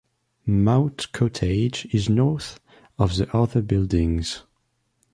Moat Cottage is north of the other buildings.